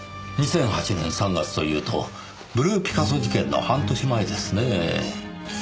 ２００８年３月というとブルーピカソ事件の半年前ですねぇ。